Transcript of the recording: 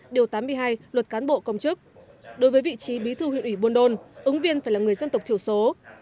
điều tám mươi hai luật cán bộ công chức đối với vị trí bí thư huyện ủy buôn đôn ứng viên phải là người dân tộc thiểu số